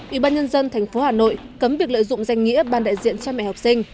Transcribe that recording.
ủy ban nhân dân tp hà nội cấm việc lợi dụng danh nghĩa ban đại diện cha mẹ học sinh